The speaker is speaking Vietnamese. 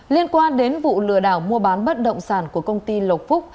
liên quan đến vụ lừa đảo mua bán bất động sản của công ty lộc phúc